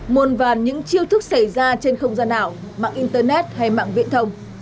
muôn vàn những chiêu thức xảy ra trên không gian ảo mạng internet hay mạng viễn thông